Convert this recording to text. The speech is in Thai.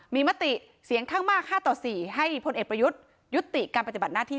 มีมติเสียงข้างมาก๕ต่อ๔ให้พลเอกประยุทธ์ยุติการปฏิบัติหน้าที่